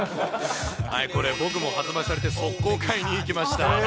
これ、僕も発売されて、速攻買いに行きました。